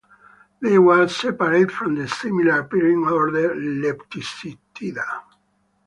They were separate from the similar-appearing order Leptictida.